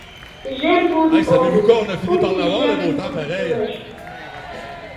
Тӱжем пуд огыл, кум тӱжем пуд кӱлеш.